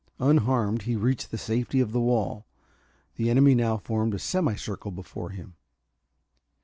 Unharmed he reached the safety of the wall. The enemy now formed a semi circle before him.